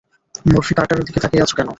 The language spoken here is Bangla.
মরফি কার্টারের দিকে তাকিয়ে আছো কেন?